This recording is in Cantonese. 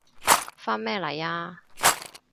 返咩嚟啊？